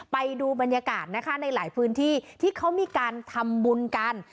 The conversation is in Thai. ไปดูบรรยากาศนะคะในหลายพื้นที่ที่เขามีการทำบุญกัน